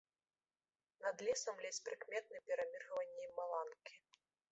Над лесам ледзь прыкметны пераміргванні маланкі.